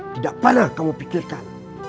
tidak pernah kamu pikirkan